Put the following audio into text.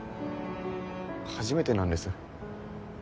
初めてなんです。